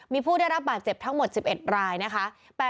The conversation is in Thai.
มีผู้ได้รับบาดเจ็บทั้งหมด๑๑รายนะคะ